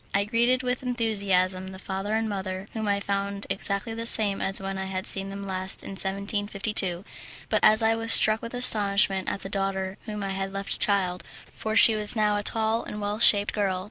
I greeted with enthusiasm the father and mother, whom I found exactly the same as when I had seen them last in 1752, but I was struck with astonishment at the daughter whom I had left a child, for she was now a tall and well shaped girl.